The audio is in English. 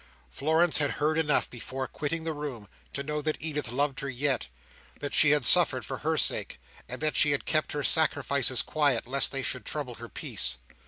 Florence had heard enough before quitting the room, to know that Edith loved her yet; that she had suffered for her sake; and that she had kept her sacrifices quiet, lest they should trouble her peace.